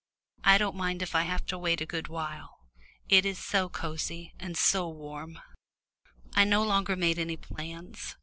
"I don't mind if I have to wait a good while. It is so cosy and warm." I no longer made any plans.